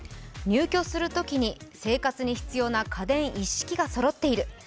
入居するときに生活に必要な家電一式がそろっている。